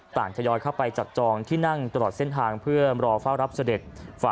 ทยอยเข้าไปจับจองที่นั่งตลอดเส้นทางเพื่อรอเฝ้ารับเสด็จ